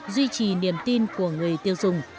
duy trì niềm tin của người tiêu dùng